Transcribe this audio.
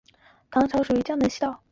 唐朝属江南西道。